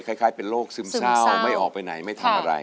คล้ายเป็นโรคซึมเศร้าไม่ออกไปไหน